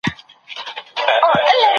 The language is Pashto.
تاریخ د هر ملت حافظه وي.